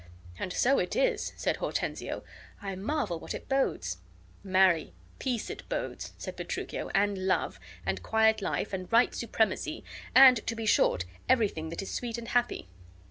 "And so it is," said Hortensio. "I marvel what it bodes." "Marry, peace it bodes," said Petruchio, "and love, and quiet life, and right supremacy; and, to be short, everything that is sweet and happy."